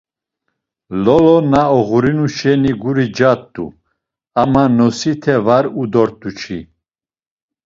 Lolo na oğurinu şeni guri cat̆u ama nosite var u dort̆u çi.